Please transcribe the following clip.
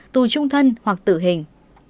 tù trung thân hoặc tử hình